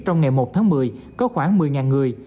trong ngày một tháng một mươi có khoảng một mươi người